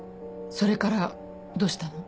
それからどうしたの？